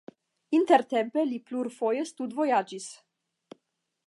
Intertempe li plurfoje studvojaĝis.